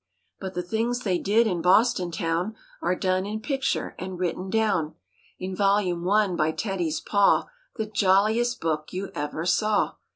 But the things they did in Boston town Are done in picture and written down In Volume One by Teddy's paw, The jolliest book you ever saw.